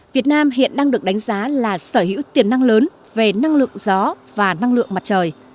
việt nam hiện đang được đánh giá là sở hữu tiềm năng lớn về năng lượng gió và năng lượng mặt trời